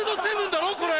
だろこれ！